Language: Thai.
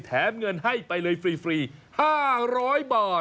แถมเงินให้ไปเลยฟรี๕๐๐บาท